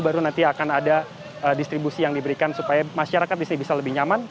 baru nanti akan ada distribusi yang diberikan supaya masyarakat bisa lebih nyaman